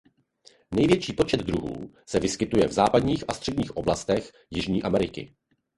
Největší počet druhů se vyskytuje v západních a středních oblastech Jižní Ameriky.